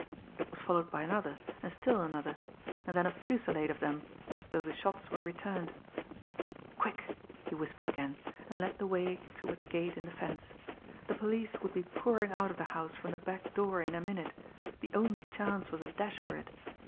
It was followed by another, and still another and then a fusillade of them, as though the shots were returned. "Quick!" he whispered again, and led the way toward the gate in the fence. The police would be pouring out of the house from the back door in a minute the only chance was a dash for it.